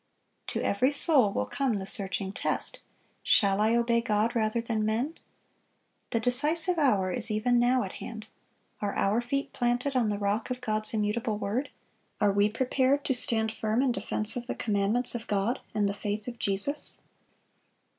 To every soul will come the searching test, Shall I obey God rather than men? The decisive hour is even now at hand. Are our feet planted on the rock of God's immutable word? Are we prepared to stand firm in defense of the commandments of God and the faith of Jesus?